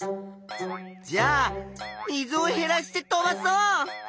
じゃあ水をへらして飛ばそう！